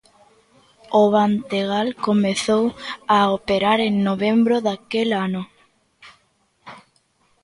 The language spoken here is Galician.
O Bantegal comezou a operar en novembro daquel ano.